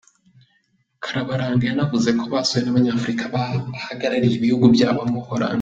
Karabaranga yanavuze ko basuwe n’Abanyafurika bahagarariye ibihugu byabo mu Buholandi.